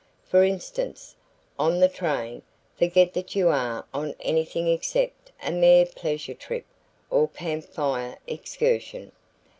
For instance, on the train, forget that you are on anything except a mere pleasure trip or Camp Fire excursion.